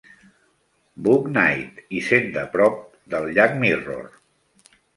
Bouknight, hisenda prop del llac Mirror.